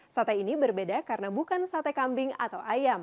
sate ini berbeda karena bukan sate kambing atau ayam